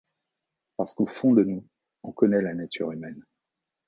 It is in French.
Parce qu’au fond de nous, on connaît la nature humaine.